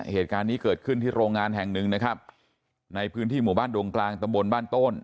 เหตุการณ์นี้เกิดขึ้นที่โรงงานแห่งหนึ่งนะครับในพื้นที่หมู่บ้านดงกลางตำบลบ้านโต้น